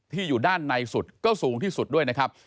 อยู่ด้านในสุดก็สูงที่สุดด้วยนะครับ